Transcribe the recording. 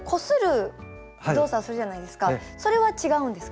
それは違うんですか？